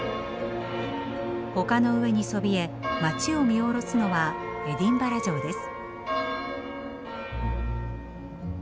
丘の上にそびえ街を見下ろすのはエディンバラ城です。